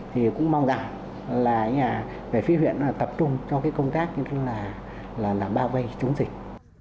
thì cũng mong rằng là phải phí huyện tập trung cho công tác như thế này là bao vây chống dịch